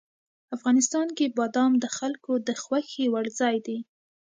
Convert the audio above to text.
افغانستان کې بادام د خلکو د خوښې وړ ځای دی.